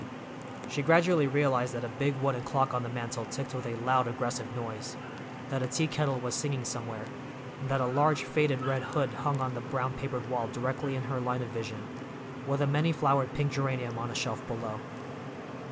She gradually realized that a big wooden clock on the mantel ticked with a loud, aggressive noise, that a teakettle was singing somewhere, and that a large faded red hood hung on the brown papered wall directly in her line of vision, with a many flowered pink geranium on a shelf below.